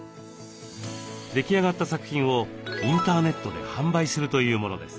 出来上がった作品をインターネットで販売するというものです。